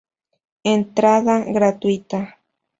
Entrada gratuita.